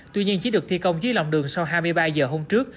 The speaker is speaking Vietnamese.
tuy nhiên chỉ được thi công dưới lòng đường sau hai mươi ba giờ hôm trước